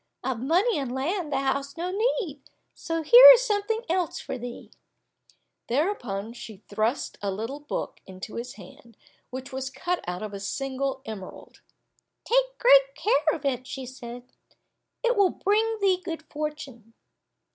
Of money and land thou hast no need, here is something else for thee." Thereupon she thrust a little book into his hand, which was cut out of a single emerald. "Take great care of it," said she, "it will bring thee good fortune."